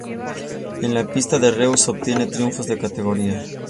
En la pista de Reus, obtiene triunfos de categoría.